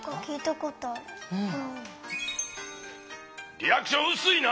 リアクションうすいな。